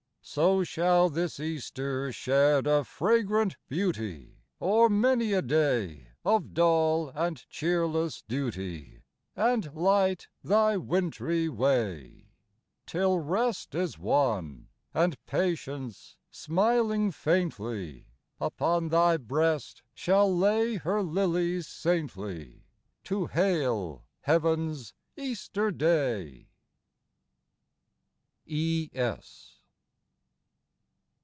So shall this Easter shed a fragrant beauty O'er many a day of dull and cheerless duty, And light thy wintry way ; Till rest is won, and patience, smiling faintly, Upon thy breast shall lay her lilies saintly, To hail heaven's Easter Day. E. S.